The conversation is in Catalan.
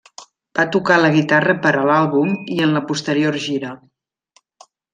Va tocar la guitarra per a l'àlbum i en la posterior gira.